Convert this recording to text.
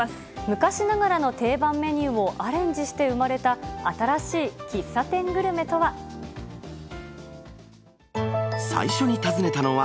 昔ながらの定番メニューをアレンジして生まれた新しい喫茶店グルメとは。